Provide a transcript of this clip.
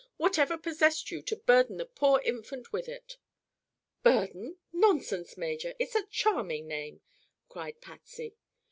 Whatever possessed you to burden the poor infant with it?" "Burden? Nonsense, Major! It's a charming name," cried Patsy.